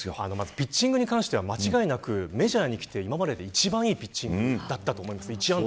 ピッチングに関しては間違いなくメジャーに来て今までで一番いいピッチングだったと思います。